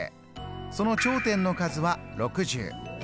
その頂点の数は６０。